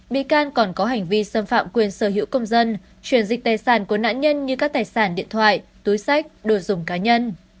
bị can còn có hành vi xâm phạm quyền sở hữu công dân chuyển dịch tài sản của nạn nhân như các tài sản điện thoại túi sách đồ dùng cá nhân